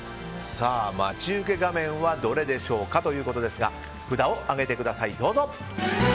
待ち受け画面はどれでしょうかということですが札を上げてください、どうぞ。